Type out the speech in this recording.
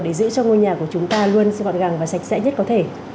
để giữ cho ngôi nhà của chúng ta luôn xinh hoạt gàng và sạch sẽ nhất có thể